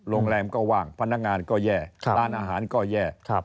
โรงแรมก็ว่างพนักงานก็แย่ร้านอาหารก็แย่